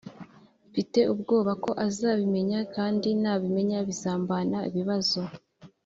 mfite ubwoba ko azabimenya kandi nabimenya bizambana ibibazo